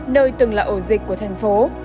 nơi từng là ổ dịch của thành phố